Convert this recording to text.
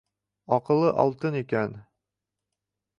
Аҡылы алтын икән.